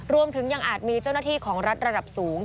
รวมถึงยังอาจมีเจ้าหน้าที่ของรัฐระดับสูง